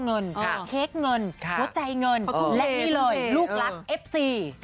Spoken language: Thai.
เค้กเงินหัวใจเงินและนี่เลยลูกรักเอฟซี